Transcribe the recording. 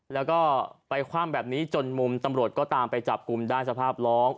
แล้วก็ไปคว่ำแบบนี้จนมุมตำรวจก็ตามไปจับกลุ่มได้สภาพร้อง